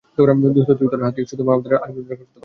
দোস্ত, তুই আর তোর হাতি শুধু আমাদের গ্রামেই রোজগার করতে পারবে?